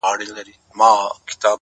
ځوان پر لمانځه ولاړ دی ـ